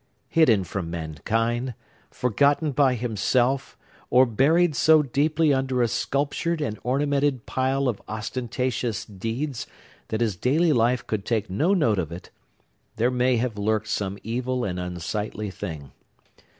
Hidden from mankind,—forgotten by himself, or buried so deeply under a sculptured and ornamented pile of ostentatious deeds that his daily life could take no note of it,—there may have lurked some evil and unsightly thing.